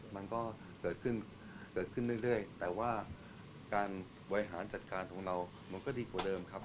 มันก็เกิดขึ้นเกิดขึ้นเรื่อยแต่ว่าการบริหารจัดการของเรามันก็ดีกว่าเดิมครับ